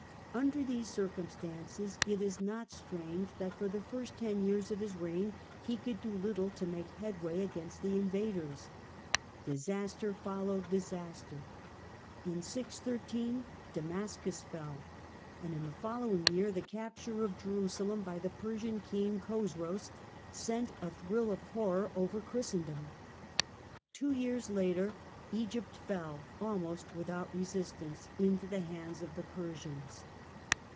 Under these circumstances it is not strange ;hat for the first ten years of his reign he could do little ;o make headway against the invaders. Disaster fol owed disaster. In 613 Damascus fell, and in the ollowing year the capture of Jerusalem by the Persian ring, Chosroes, sent a thrill of horror over Christendom, rwo years later Egypt fell, almost without resistance, Into the hands of the Persians.